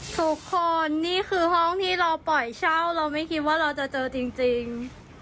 ทุกคนนี่คือห้องที่เราปล่อยเช่าเราไม่คิดว่าเราจะเจอจริง